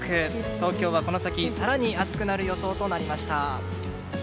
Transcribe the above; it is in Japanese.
東京はこの先、更に暑くなる予想となりました。